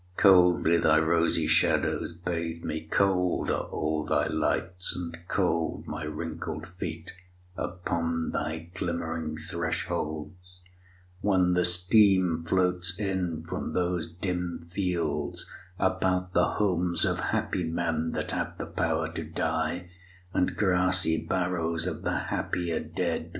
Coldly thy rosy shadows bathe me, cold Are all thy lights, and cold my wrinkled feet Upon thy glimmering thresholds, when the steam Floats up from those dim fields about the homes Of happy men that have the power to die, And grassy barrows of the happier dead.